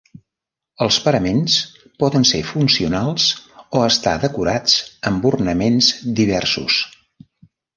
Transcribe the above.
Els paraments poden ser funcionals, o estar decorats amb ornaments diversos.